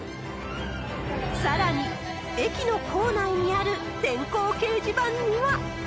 さらに、駅の構内にある電光掲示板には。